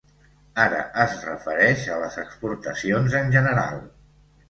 Ara es refereix a les exportacions en general.